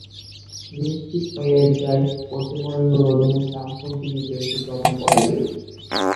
নিশ্চিত হয়ে যায় হোসে মরিনহোর অধীনে স্টামফোর্ড ব্রিজে চেলসির প্রথম পরাজয়টি।